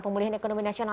pemulihan ekonomi nasional